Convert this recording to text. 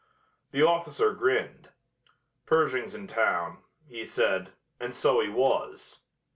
The officer grinned. "Pershing's in town," he said and so he was.